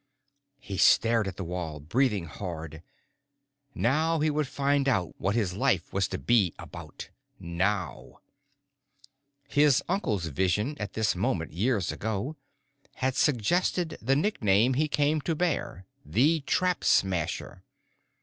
He stared at the wall, breathing hard. Now he would find out what his life was to be about now! His uncle's vision at this moment, years ago, had suggested the nickname he came to bear: the Trap Smasher.